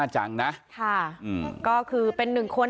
แล้วอันนี้ก็เปิดแล้ว